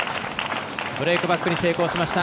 ブレークバックに成功しました。